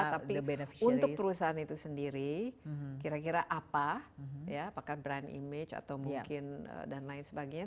tapi untuk perusahaan itu sendiri kira kira apa ya apakah brand image atau mungkin dan lain sebagainya